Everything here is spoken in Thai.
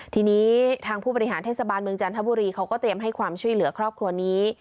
ทีนี้ทางผู้บริหารเทศบาลเมืองจันทบุรีเขาก็เตรียมให้ความช่วยเหลือครอบครัวนี้